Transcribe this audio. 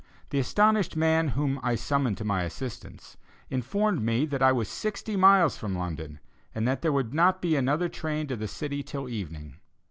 The astonished man whom I summoned to my assistance, informed me that I was sixty miles from London, and that there would not be another train to the city till evening.